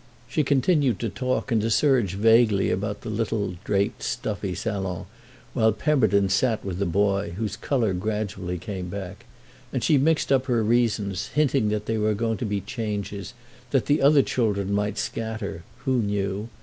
She continued to talk and to surge vaguely about the little draped stuffy salon while Pemberton sat with the boy, whose colour gradually came back; and she mixed up her reasons, hinting that there were going to be changes, that the other children might scatter (who knew?